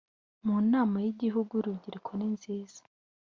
mu nama y igihugu y urubyiruko ninziza